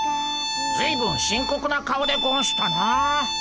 ずいぶん深刻な顔でゴンしたなあ。